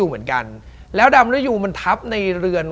มันทับในเรือน